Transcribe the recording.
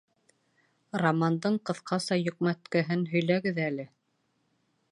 Романдың ҡыҫҡаса йөкмәткеһен һөйләгеҙ әле